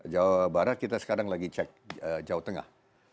jawa barat kita sekarang lagi cek jawa tengah